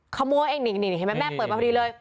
ขโมยเองหนิ่งแม่เปิดมาพอดีเลย